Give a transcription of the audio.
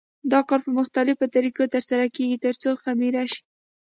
دا کار په مختلفو طریقو تر سره کېږي ترڅو خمېره شي.